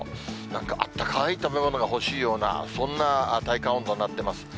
なんかあったかい食べ物が欲しいような、そんな体感温度になってます。